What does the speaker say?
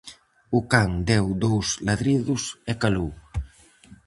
O can deu dous ladridos e calou.